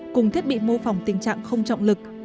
cùng thiết bị mô phỏng tình trạng không trọng lực